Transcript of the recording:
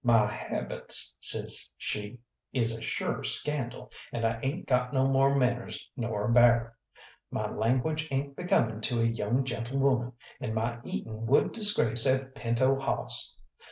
"My habits," says she, "is a sure scandal, and I ain't got no more manners nor a bear. My language ain't becoming to a young gentlewoman, and my eating would disgrace a pinto hawss.